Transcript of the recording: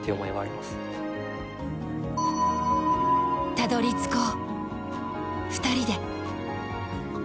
たどり着こう、２人で。